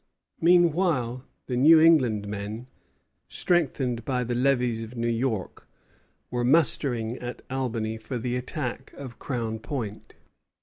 Meanwhile the New England men, strengthened by the levies of New York, were mustering at Albany for the attack of Crown Point.